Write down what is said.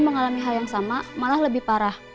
mengalami hal yang sama malah lebih parah